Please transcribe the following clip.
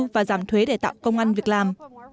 và giảm thuế để tạo công an việc làm